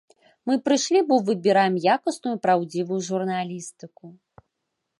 Мы прыйшлі, бо выбіраем якасную, праўдзівую журналістыку.